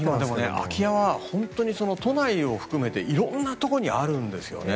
空き家は都内を含めて色んなところにあるんですよね。